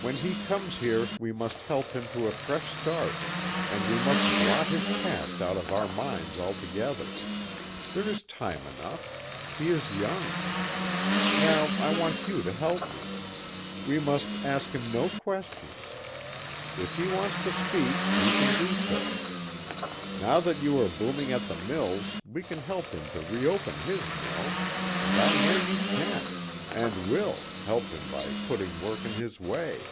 "When he comes here we must help him to a fresh start, and we must blot his past out of our minds altogether. There is time enough. He is young. Now I want you to help me. We must ask him no questions. If he wants to speak he can do so. Now that you are booming at the mills we can help him to reopen his mill, and I know you can, and will, help him by putting work in his way.